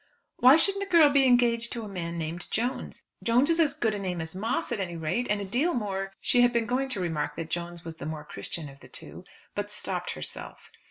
"Why shouldn't a girl be engaged to a man named Jones? Jones is as good a name as Moss, at any rate; and a deal more " She had been going to remark that Jones was the more Christian of the two, but stopped herself.